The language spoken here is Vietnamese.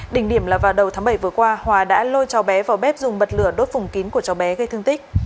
đỉnh điểm là vào đầu tháng bảy vừa qua hòa đã lôi cháu bé vào bếp dùng bật lửa đốt vùng kín của cháu bé gây thương tích